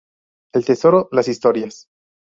El tesoro, Las historias.